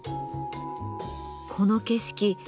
この景色